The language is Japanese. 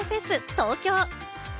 東京。